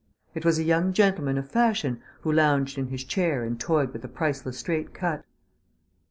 It was a young gentleman of fashion who lounged in his chair and toyed with a priceless straight cut.